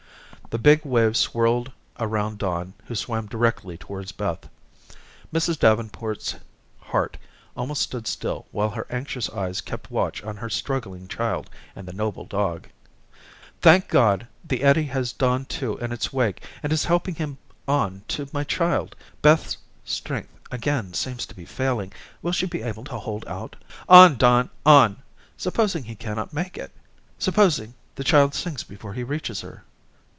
The big waves swirled around Don who swam directly towards Beth. Mrs. Davenport's heart almost stood still while her anxious eyes kept watch on her struggling child and the noble dog. "Thank God, the eddy has Don too in its wake and is helping him on to my child. Beth's strength again seems to be failing. Will she be able to hold out? On, Don, on. Supposing he cannot make it. Supposing the child sinks before he reaches her?"